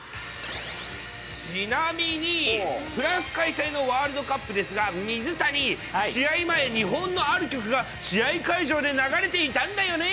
ちなみに、フランス開催のワールドカップですが、水谷、試合前、日本のある曲が試合会場で流れていたんだよね。